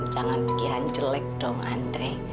jangan pikiran jelek dong andre